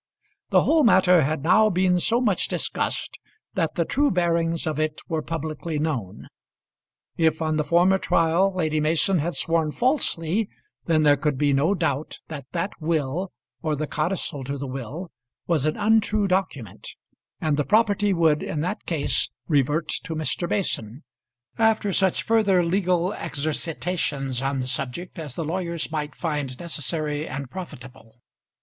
The whole matter had now been so much discussed, that the true bearings of it were publicly known. If on the former trial Lady Mason had sworn falsely, then there could be no doubt that that will, or the codicil to the will, was an untrue document, and the property would in that case revert to Mr. Mason, after such further legal exercitations on the subject as the lawyers might find necessary and profitable.